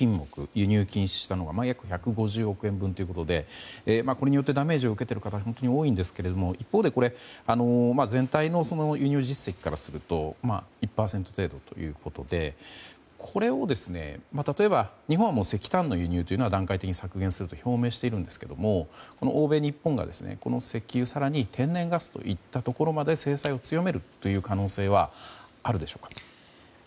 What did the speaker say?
輸入禁止したのが約１５０億円分ということでこれによってダメージを受けている方が本当に多いんですが一方で全体の輸入実績からすると１％程度ということでこれを、例えば日本は石炭の輸入は段階的に削減すると表明しているんですが欧米、日本が石油、更に天然ガスといったところまで制裁を強めるという可能性はあるでしょうか？